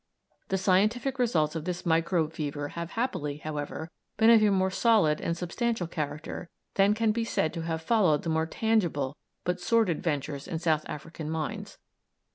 The scientific results of this microbe fever have happily, however, been of a more solid and substantial character than can be said to have followed the more tangible but sordid ventures in South African mines.